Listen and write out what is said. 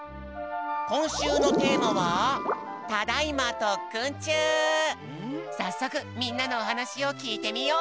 こんしゅうのテーマはさっそくみんなのおはなしをきいてみよう。